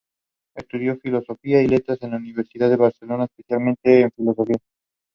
Negri was born in Buenos Aires.